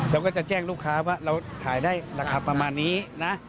เราก็จะแจ้งลูกค้าว่าเราถ่ายได้ราคาประมาณนี้นะ